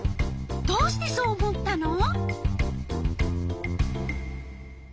どうしてそう思ったの？